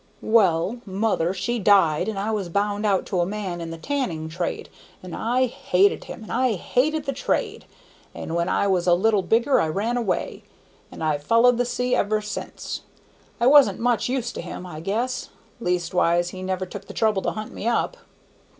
"Well, mother, she died, and I was bound out to a man in the tanning trade, and I hated him, and I hated the trade; and when I was a little bigger I ran away, and I've followed the sea ever since. I wasn't much use to him, I guess; leastways, he never took the trouble to hunt me up.